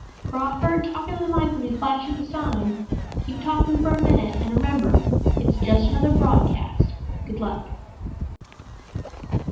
"Crawford, talk into the mike when we flash you the sign. Keep talking for a minute. And remember it's just another broadcast. Good luck."